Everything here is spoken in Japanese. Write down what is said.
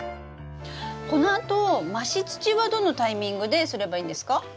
このあと増し土はどのタイミングですればいいんですか？